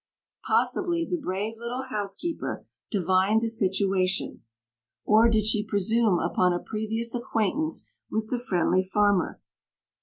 Possibly the brave little housekeeper divined the situation; or did she presume upon a previous acquaintance with the friendly farmer?